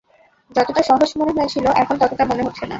যতটা সহজ মনে হয়েছিল এখন ততটা মনে হচ্ছে না।